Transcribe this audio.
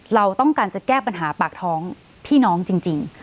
เราต้องการจะแก้ปัญหาปากท้องพี่น้องจริง